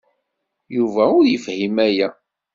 Yuba ur yefhim aya.